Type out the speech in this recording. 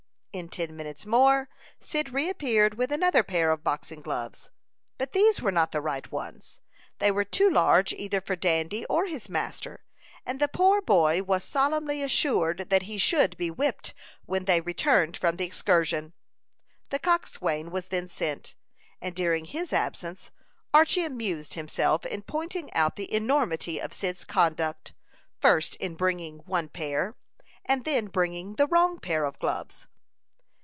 In ten minutes more, Cyd reappeared with another pair of boxing gloves; but these were not the right ones. They were too large either for Dandy or his master, and the poor boy was solemnly assured that he should be whipped when they returned from the excursion. The coxswain was then sent, and during his absence, Archy amused himself in pointing out the enormity of Cyd's conduct, first in bringing one pair, and then bringing the wrong pair of gloves.